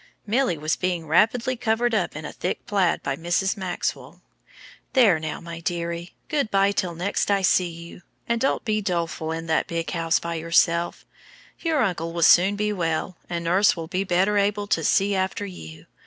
Milly was being rapidly covered up in a thick plaid by Mrs. Maxwell. "There now, my dearie, good bye till next I see you, and don't be doleful in that big house by yourself. Your uncle will soon be well, and nurse will be better able to see after you.